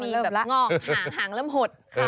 มีแบบงอกหางหางเริ่มหด